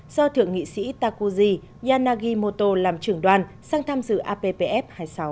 do thượng nghị sĩ takuji yanagimoto làm trưởng đoàn sang tham dự appf hai mươi sáu